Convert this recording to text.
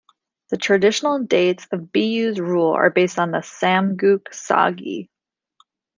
The traditional dates of Biyu's rule are based on the "Samguk Sagi".